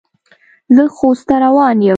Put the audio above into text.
زه خوست ته روان یم.